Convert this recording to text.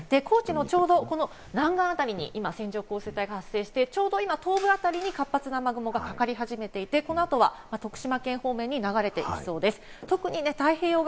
で、高知のちょうど南岸辺りに今、線状降水帯が発生して、ちょうど今、東部あたりにかかっていて、このあと徳島方面に流れていきそうです。